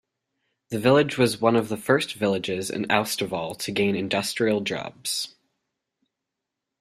The village was one of the first villages in Austevoll to gain industrial jobs.